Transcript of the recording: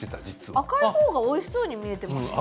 赤いほうがおいしそうに見えていた。